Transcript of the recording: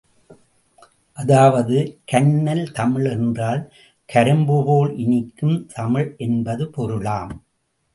அதாவது, கன்னல் தமிழ் என்றால், கரும்புபோல் இனிக்கும் தமிழ் என்பது பொருளாம்.